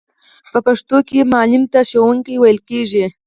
په پښتو کې معلم ته ښوونکی ویل کیږی.